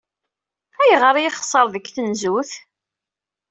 Ayɣer ay yexṣer deg tnezzut?